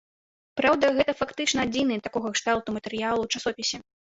Праўда, гэта фактычна адзіны такога кшталту матэрыял у часопісе.